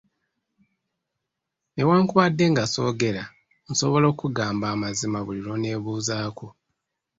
Newankubadde nga ssoogera, nsobola okukugamba amazima buli lw’onneebuuzaako.